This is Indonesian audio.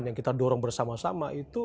yang kita dorong bersama sama itu